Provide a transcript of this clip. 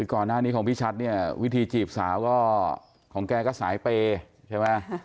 ก่อนหน้านี้ของพี่ชัดเนี่ยวิธีจีบสาวก็ของแกก็สายเปย์ใช่ไหม